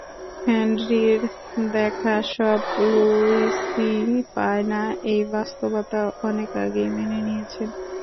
হেনরির দেখা সব লুসিই পায় না এই বাস্তবতা অনেক আগেই মেনে নিয়েছেন।